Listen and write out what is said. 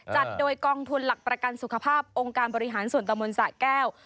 จัดโดยกองทุนหลักประกันสุขภาพองค์การบริหารส่วนตะมนต์สะแก้ว